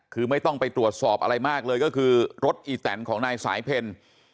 คือไม่ต้องไปตรวจสอบอะไรมากเลยก็คือรถอีแตนของนายสายเพล